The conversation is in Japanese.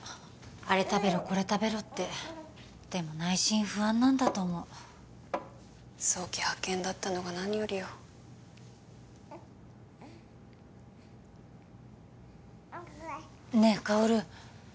あれ食べろこれ食べろってでも内心不安なんだと思う早期発見だったのが何よりよねえ薫